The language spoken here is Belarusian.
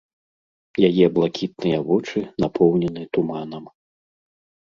Яе блакітныя вочы напоўнены туманам.